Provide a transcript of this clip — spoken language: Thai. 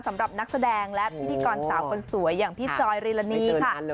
สำหรับนักแสดงและพิธีกรสาวคนสวยอย่างพี่จอยริลานีค่ะ